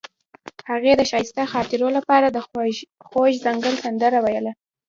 هغې د ښایسته خاطرو لپاره د خوږ ځنګل سندره ویله.